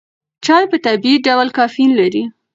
چای په طبیعي ډول کافین لري.